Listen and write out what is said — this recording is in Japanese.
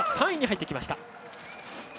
３位に入ってきました。